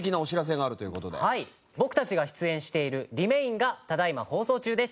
僕たちが出演している『ＲＥ−ＭＡＩＮ』がただ今放送中です。